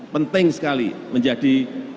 penting sekali menjadi